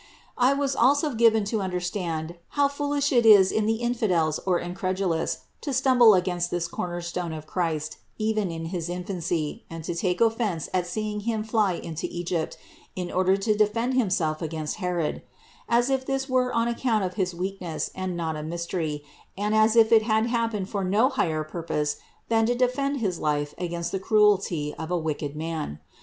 615. I was also given to understand how foolish it is in the infidels or incredulous to stumble against this cor nerstone of Christ even in his infancy and to take offense at seeing Him fly to Egypt in order to defend Himself against Herod ; as if this were on account of his weakness and not a mystery, and as if it had happened for no higher purpose than to defend his life against the cruelty of a wicked man.